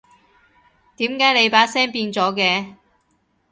點解你把聲變咗嘅？